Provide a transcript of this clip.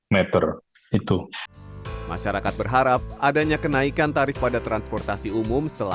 meter itu masyarakat berharap adanya kenaikan tarif pada transportasi umum